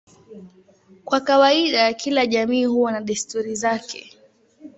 Kwa kawaida kila jamii huwa na desturi zake.